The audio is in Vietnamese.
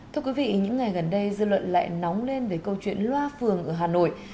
thưa quý vị những ngày gần đây dư luận lại nóng lên về câu chuyện loa phường ở hà nội